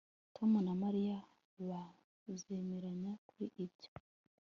Tom na Mariya bazemeranya kuri ibyo